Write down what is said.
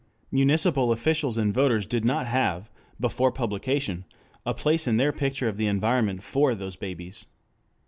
Municipal officials and voters did not have, before publication, a place in their picture of the environment for those babies.